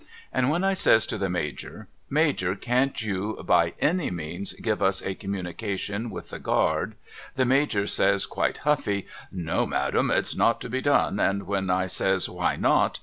And when I says to the Major, ' Major can't you by any means give us a communication with the guarel ?' the ISLajor says quite huffy, ' No madam it's not to be done,' and when I says 'Why not?'